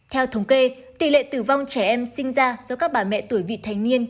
theo thống kê tỷ lệ tử vong trẻ em sinh ra do các bà mẹ tuổi vị thành niên